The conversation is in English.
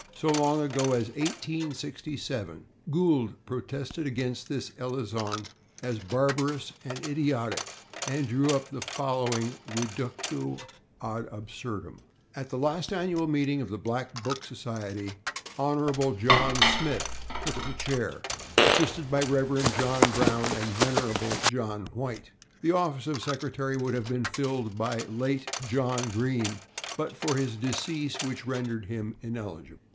So long ago as 1867, Gould protested against this elision as barbarous and idiotic, and drew up the following /reductio ad absurdum/: At last annual meeting of Black Book Society, honorable John Smith took the chair, assisted by reverend John Brown and venerable John White. The office of secretary would have been filled by late John Green, but for his decease, which rendered him ineligible.